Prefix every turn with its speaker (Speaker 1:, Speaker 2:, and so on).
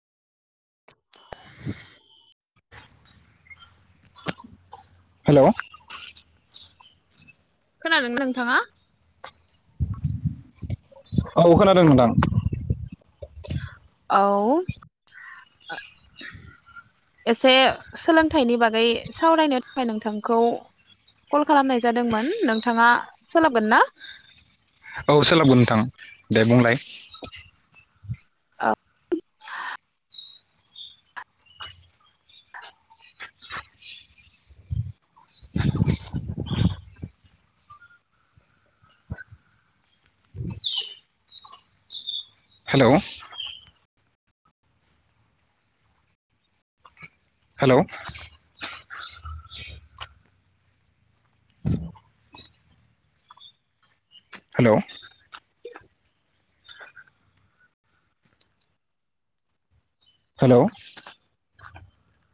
Speaker 1: लांदां
Speaker 2: हेलौ
Speaker 1: खोनादों नोंथाङा
Speaker 2: औ खोनादों नोंथां
Speaker 1: औ एसे सोलोंथाइनि बागै सावरायनो थाखाय नोंथांखौ कल खालामनाय जादोंमोन नोंथाङा सोलाबगोन ना?
Speaker 2: औ सोलाबगोन नोंथां दे बुंलाय।
Speaker 1: लांदां
Speaker 2: लांदां हेलौ हेलौ लांदां हेलौ हेलौ